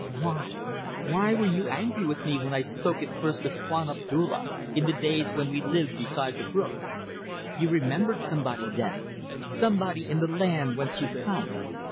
Why? Why were you angry with me when I spoke at first of Tuan Abdulla, in the days when we lived beside the brook? You remembered somebody then. Somebody in the land whence you come.